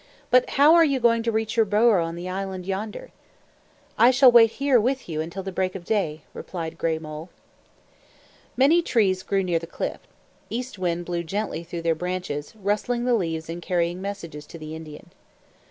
"But how are you going to reach your burrow on the island yonder?" "I shall wait here with you until the break of day," replied Gray Mole. Many trees grew near the cliff. East Wind blew gently through their branches, rustling the leaves and carrying messages to the Indian.